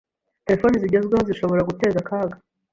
Terefone zigezweho zishobora guteza akaga